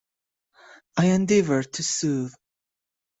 I endeavoured to soothe.